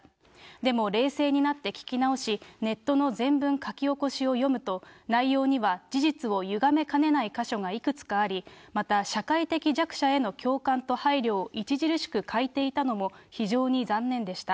でも冷静になって聞き直し、ネットの全文書き起こしを読むと、内容には事実をゆがめかねない箇所がいくつかあり、また社会的弱者への共感と配慮を著しく欠いていたのも非常に残念でした。